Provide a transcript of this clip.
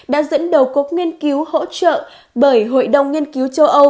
đã dẫn đầu cục nghiên cứu hỗ trợ bởi hội đồng nghiên cứu châu âu